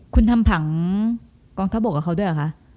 คุณทำผังกองทัพบกกับเขาด้วยเหรอคะ